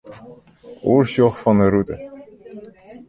Oersjoch fan 'e rûte.